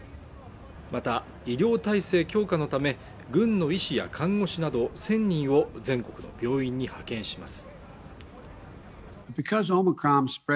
また医療体制強化のため軍の医師や看護師など１０００人を全国の病院に派遣します